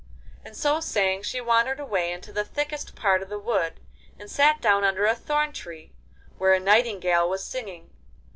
And so saying she wandered away into the thickest part of the wood, and sat down under a thorn tree, where a nightingale was singing.